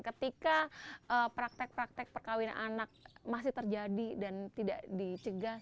ketika praktek praktek perkawinan anak masih terjadi dan tidak dicegah